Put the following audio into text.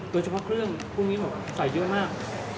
โดยเฉพาะเครื่องพวกนี้ใส่เยอะมาก